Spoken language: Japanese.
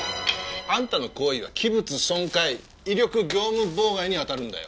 あんたの行為は器物損壊威力業務妨害に当たるんだよ。